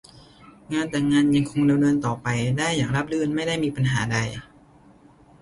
งานแต่งงานยังคงดำเนินต่อไปได้อย่างราบรื่นไม่ได้มีปัญหาใด